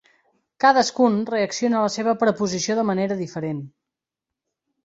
Cadascun reacciona a la seva proposició de manera diferent.